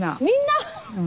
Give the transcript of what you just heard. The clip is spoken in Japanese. みんな？